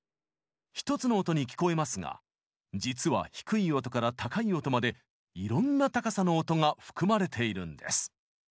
１つの音に聞こえますが実は低い音から高い音までいろんな高さの音が含まれているんです。